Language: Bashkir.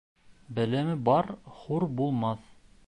Белеме бар хур булмаҫ.